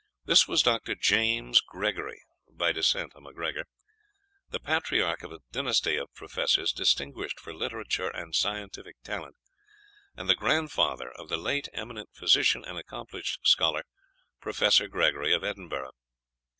This was Dr. James Gregory (by descent a MacGregor), the patriarch of a dynasty of professors distinguished for literary and scientific talent, and the grandfather of the late eminent physician and accomplished scholar, Professor Gregory of Edinburgh.